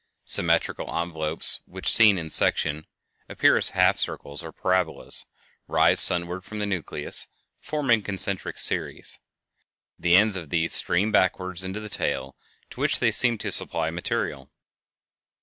Symmetrical envelopes which, seen in section, appear as half circles or parabolas, rise sunward from the nucleus, forming a concentric series. The ends of these stream backward into the tail, to which they seem to supply material.